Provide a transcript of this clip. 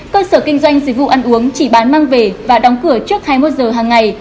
cơ sở kinh doanh dịch vụ ăn uống chỉ bán mang về và đóng cửa trước hai mươi một giờ hàng ngày